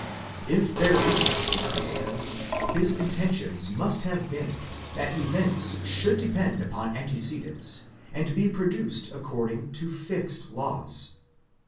If there be a Creator, his intention must have been that events should de 136 THEISM pend upon antecedents and be produced according to fixed laws.